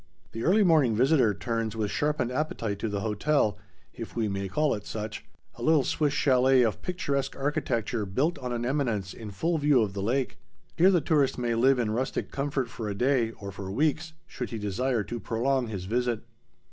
The early morning visitor turns with sharpened appetite to the hotel, if we may call it such,—a little Swiss chalet of picturesque architecture built on an eminence in full view of the lake. Here the tourist may live in rustic comfort for a day, or for weeks, should he desire to prolong his visit.